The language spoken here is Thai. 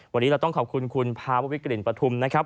วันนี้เราต้องขอบคุณคุณภาววิกลิ่นปฐุมนะครับ